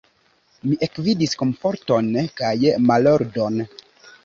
Mi ekvidis komforton kaj malordon.